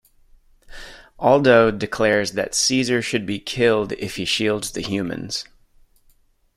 Aldo declares that Caesar should be killed if he shields the humans.